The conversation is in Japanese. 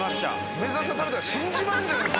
梅沢さん食べたら死んじまうんじゃないっすか。